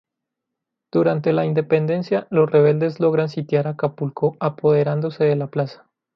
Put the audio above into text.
Durante la Independencia, los rebeldes logran sitiar Acapulco, apoderándose de la plaza.